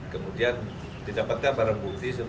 kemudian didapatkan para bukti